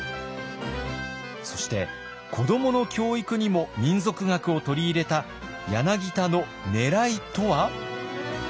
そして子どもの教育にも民俗学を取り入れた柳田のねらいとは？